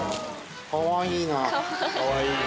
かわいいな。